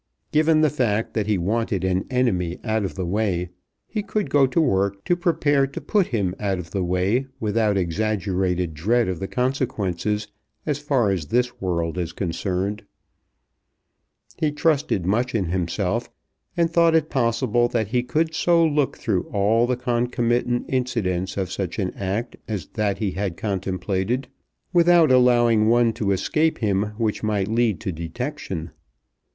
Given the fact that he wanted an enemy out of the way, he could go to work to prepare to put him out of the way without exaggerated dread of the consequences as far as this world is concerned. He trusted much in himself, and thought it possible that he could so look through all the concomitant incidents of such an act as that he contemplated without allowing one to escape him which might lead to detection.